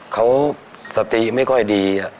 เขาสติไม่ค่อยดี